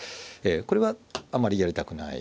これはあんまりやりたくない。